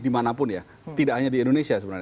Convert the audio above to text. dimanapun ya tidak hanya di indonesia sebenarnya